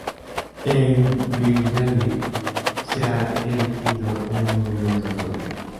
En Viljandi se ha erigido un monumento en su honor.